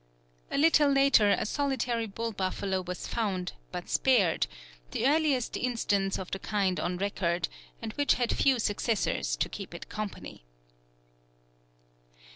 A little later a solitary bull buffalo was found, but spared, the earliest instance of the kind on record, and which had few successors to keep it company.